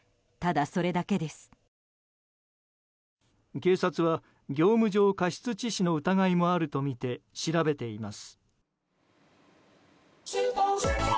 警察は業務上過失致死の疑いもあるとみて調べています。